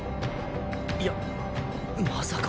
いやまさか。